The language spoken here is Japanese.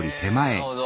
なるほど。